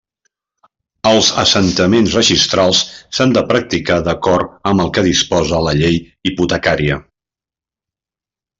Els assentaments registrals s'han de practicar d'acord amb el que disposa la Llei hipotecària.